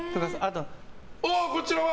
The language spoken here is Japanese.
こちらは？